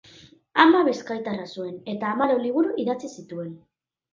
Ama bizkaitarra zuen eta hamalau liburu idatzi zituen.